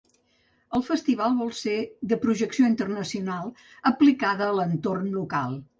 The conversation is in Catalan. El festival vol ser de projecció internacional aplicada a l’entorn local.